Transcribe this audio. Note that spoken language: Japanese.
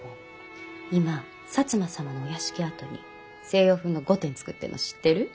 今摩様のお屋敷跡に西洋風の御殿造ってんの知ってる？